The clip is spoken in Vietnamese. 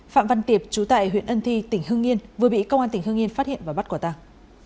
phạm văn tiệp chú tại huyện ân thi tỉnh hưng yên vừa bị công an tỉnh hưng yên phát hiện và bắt quả tăng